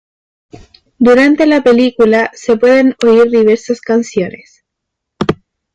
Durante la película, se pueden oír diversas canciones.